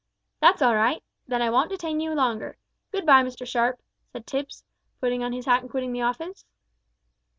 "That's all right; then I won't detain you longer. Good bye, Mr Sharp," said Tipps, putting on his hat and quitting the office.